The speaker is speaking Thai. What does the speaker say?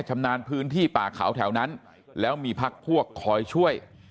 ชำนาญพื้นที่ป่าเขาแถวนั้นแล้วมีพักพวกคอยช่วย